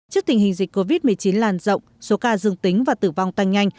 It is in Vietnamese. trước tình hình dịch covid một mươi chín làn rộng số ca dương tính và tử vong tăng nhanh